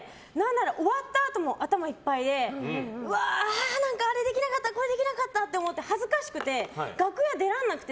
終わったあとも頭いっぱいでうわー何か、あれできなかったこれできなかったって恥ずかしくて楽屋出られなくて。